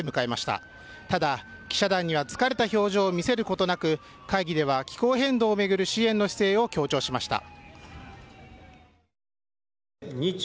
ただ、記者団には疲れた表情を見せることなく会議では、気候変動を巡る支援の姿勢を強調しました。